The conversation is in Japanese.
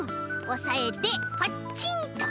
おさえてパッチンと。